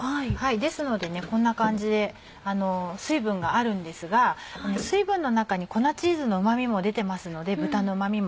ですのでこんな感じで水分があるんですが水分の中に粉チーズのうま味も出てますので豚のうま味も。